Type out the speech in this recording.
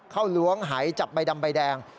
ล้วงหายจับใบดำใบแดง